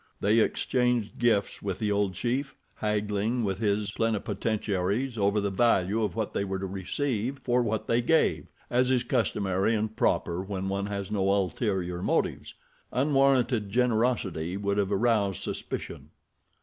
They exchanged gifts with the old chief, haggling with his plenipotentiaries over the value of what they were to receive for what they gave, as is customary and proper when one has no ulterior motives. Unwarranted generosity would have aroused suspicion.